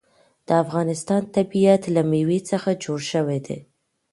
د افغانستان طبیعت له مېوې څخه جوړ شوی دی.